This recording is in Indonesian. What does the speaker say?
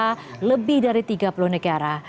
serta lebih dari tiga puluh negara